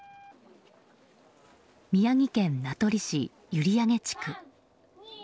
宮城県名取市閖上地区。